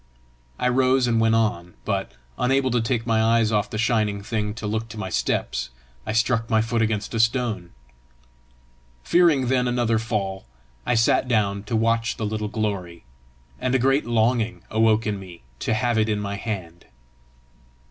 I rose and went on, but, unable to take my eyes off the shining thing to look to my steps, I struck my foot against a stone. Fearing then another fall, I sat down to watch the little glory, and a great longing awoke in me to have it in my hand.